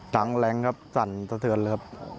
ดังแรงครับสั่นสะเทือนครับ